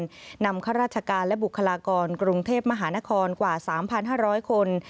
นำข้าราชการและบุคลากรกรุงเทพมหานครกว่า๓๕๐๐คน